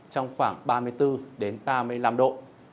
trong khoảng ba mươi bốn ba mươi năm độ